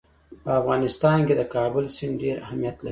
په افغانستان کې د کابل سیند ډېر اهمیت لري.